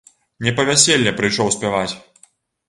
Не па вяселле прыйшоў спяваць!